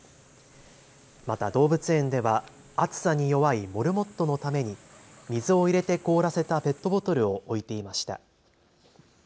また動物園では暑さに弱いモルモットのために水を入れて凍らせたペットボトルを置いていました。